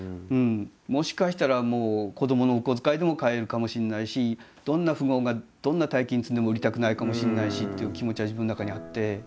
もしかしたら子どものお小遣いでも買えるかもしれないしどんな富豪がどんな大金積んでも売りたくないかもしれないしっていう気持ちは自分の中にあって。